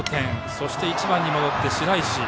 そして１番に戻って白石。